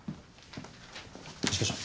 一課長。